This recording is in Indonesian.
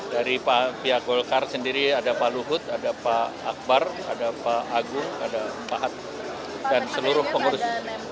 dari pihak golkar sendiri ada pak luhut ada pak akbar ada pak agung ada pak hat dan seluruh pengurus